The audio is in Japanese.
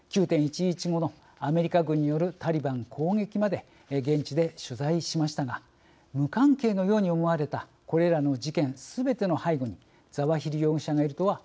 ９．１１後のアメリカ軍によるタリバン攻撃まで現地で取材しましたが無関係のように思われたこれらの事件すべての背後にザワヒリ容疑者がいるとは